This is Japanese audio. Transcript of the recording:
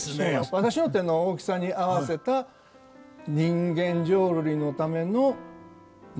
私の手の大きさに合わせた人間浄瑠璃のためのまあ。